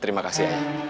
terima kasih ayah